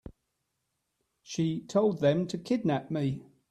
She told them to kidnap me.